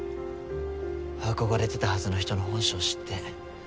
憧れてたはずの人の本性知って。